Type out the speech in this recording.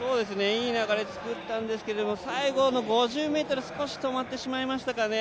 いい流れ作ったんですけれども最後の５０ｍ、少し止まってしまいましたかね。